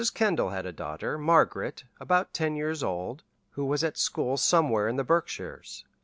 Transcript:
Kendall had a daughter, Margaret, about ten years old, who was at school somewhere in the Berkshires.